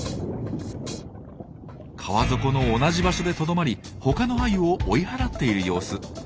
川底の同じ場所でとどまり他のアユを追い払っている様子。